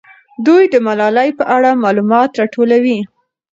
دوی د ملالۍ په اړه معلومات راټولوي.